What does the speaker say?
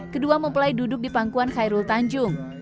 kedua mempelai duduk di pangkuan khairul tanjung